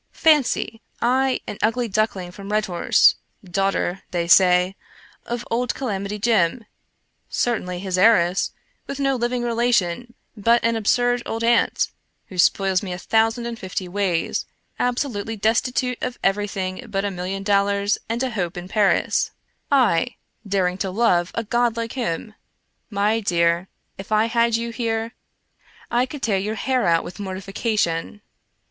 Fancy ! I, an ugly duckling from Redhorse — daughter (they say) of old Calamity Jim — certainly his heiress, with no living relation but an absurd old aunt, who spoils me a thousand and fifty ways — absolutely destitute of everything but a million dollars and a hope in Paris — I daring to love 98 Ambrose Bicrce a god like him ! My dear, if I had you here, I could tear your hair out with mortification.